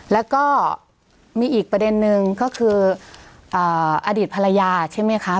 แล้วก็มีอีกประเด็นนึงก็คืออดีตภรรยาใช่ไหมคะ